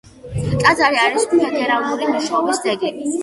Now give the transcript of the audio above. ტაძარი არის ფედერალური მნიშვნელობის ძეგლი.